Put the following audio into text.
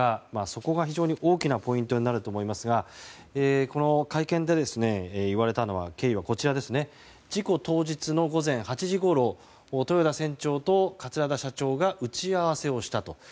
そこが非常に大きなポイントになると思いますが会見で言われた経緯は事故当日の午前８時ごろ豊田船長と桂田社長が打ち合わせをしたと。